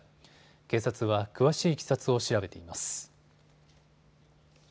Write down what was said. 警察は詳しいいきさつを調べています。